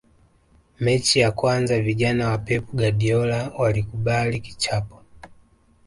mechi ya kwanza vijana wa pep guardiola walikubali kichapo